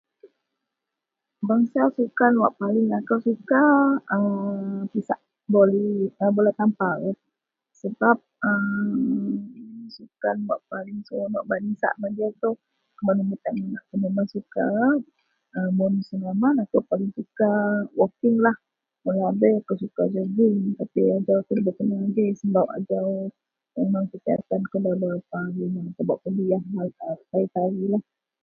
Bangsa sukan wak paling akou pisak sukan aaa pisak voli...bola tampar sebab aaa sukan wak paling seronok wak badminton memeng suka Mun senaman akou paling suka walking lahaei akou suka jogging tapi ajau akou nda kena agei sebab ajau memang kesihatan kou nda bei berapa kena bak pabiyah tayi-tayi